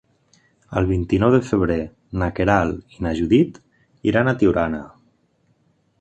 El vint-i-nou de febrer na Queralt i na Judit iran a Tiurana.